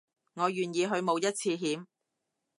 我願意去冒一次險